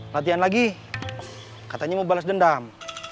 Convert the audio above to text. latihan lagi katanya mau balas dendam